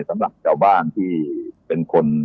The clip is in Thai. สำหรับชาวบ้านที่เป็นคน